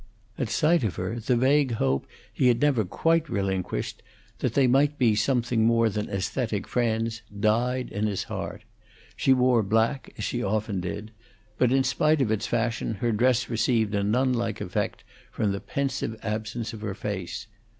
At sight of her, the vague hope he had never quite relinquished, that they might be something more than aesthetic friends, died in his heart. She wore black, as she often did; but in spite of its fashion her dress received a nun like effect from the pensive absence of her face.